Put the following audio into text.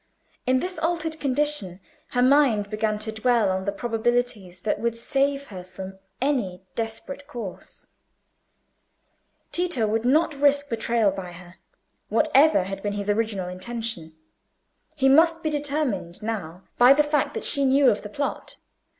In this altered condition her mind began to dwell on the probabilities that would save her from any desperate course: Tito would not risk betrayal by her; whatever had been his original intention, he must be determined now by the fact that she knew of the plot.